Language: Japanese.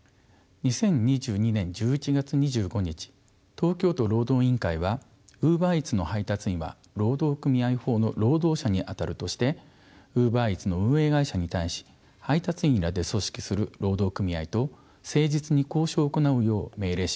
２０２２年１１月２５日東京都労働委員会はウーバーイーツの配達員は労働組合法の労働者にあたるとしてウーバーイーツの運営会社に対し配達員らで組織する労働組合と誠実に交渉を行うよう命令しました。